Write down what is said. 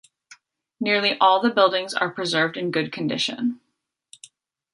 Nearly all the buildings are preserved in good condition.